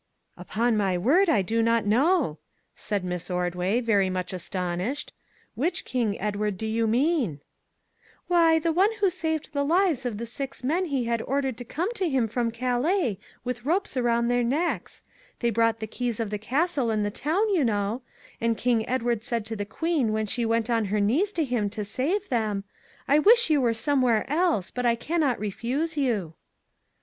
" Upon my word, I do not know," said Miss Ordway, very much astonished. " Which King Edward do you mean ?"" Why, the one who saved the lives of the six men he had ordered to come to him from Calais, with ropes around their necks; they brought the keys of the castle and the town, you know ; and King Edward said to the Queen when she went on her knees to him to save '53 MAG AND MARGARET them :' I wish you were somewhere else ; but I can not refuse you.'